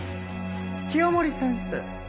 清守先生。